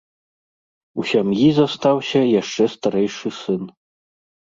У сям'і застаўся яшчэ старэйшы сын.